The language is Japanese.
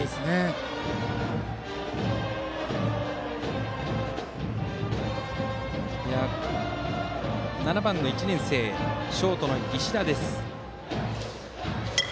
バッターは７番、１年生ショートの石田です。